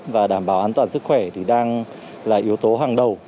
và đảm bảo an toàn sức khỏe thì đang là yếu tố hàng đầu